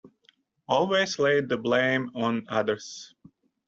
Always lay the blame on others!’